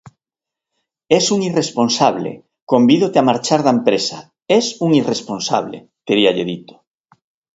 "Es un irresponsable, convídote a marchar da empresa, es un irresponsable", teríalle dito.